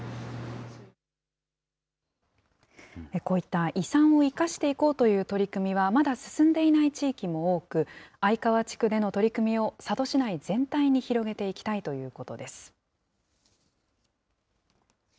こういった、遺産を生かしていこうという取り組みは、まだ進んでいない地域も多く、相川地区での取り組みを佐渡市内全体に広げていきたいということです。